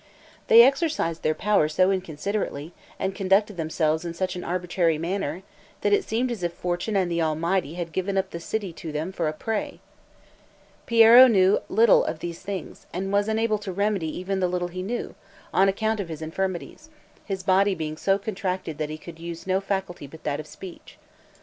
They exercised their power so inconsiderately, and conducted themselves in such an arbitrary manner, that it seemed as if fortune and the Almighty had given the city up to them for a prey. Piero knew little of these things, and was unable to remedy even the little he knew, on account of his infirmities; his body being so contracted that he could use no faculty but that of speech.